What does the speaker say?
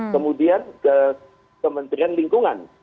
kemudian kementerian lingkungan